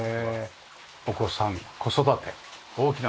お子さん子育て大きな目的です。